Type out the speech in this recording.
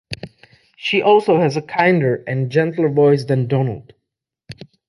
She also has a kinder and gentler voice than Donald.